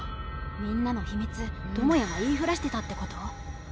みんなの秘密智也が言いふらしてたってこと？